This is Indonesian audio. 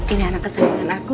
ini anak kesayangan aku